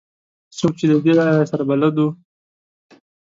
څوک چې له دې لارې سره بلد وو.